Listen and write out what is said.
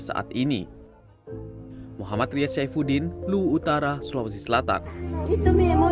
saat ini muhammad riaz syaifuddin lu utara sulawesi selatan itu memang sekali apa rumahnya